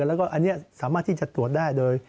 แล้วก็อันนี้สามารถที่จะตรวจได้โดย